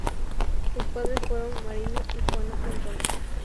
Sus padres fueron Mariano y Juana Antonia.